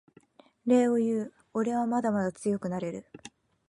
礼を言うおれはまだまだ強くなれる